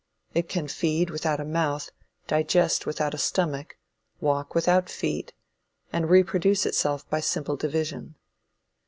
It can feed without a mouth, digest without a stomach, walk without feet, and reproduce itself by simple division.